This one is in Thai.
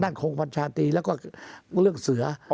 ทั้งโครงพันธชาติแล้วก็เรื่องเสือ